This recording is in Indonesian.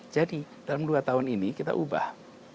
jadi dalam dua tahun ini kita ubah